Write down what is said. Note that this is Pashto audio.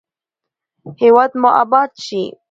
هیواد مو اباد شي.